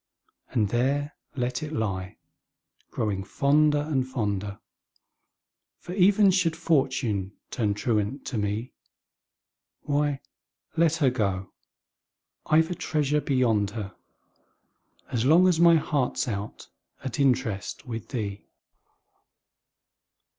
And there let it lie, growing fonder and, fonder For, even should Fortune turn truant to me, Why, let her go I've a treasure beyond her, As long as my heart's out at interest With thee!